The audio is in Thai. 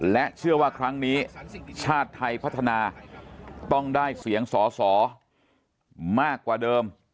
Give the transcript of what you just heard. และเชื่อว่าครั้งนี้ชาติไทยพัฒนาต้องได้เสียงสอสอมากกว่าเดิม